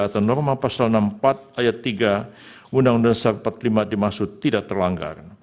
atau norma pasal enam puluh empat ayat tiga undang undang sarpat v dimaksud tidak terlanggar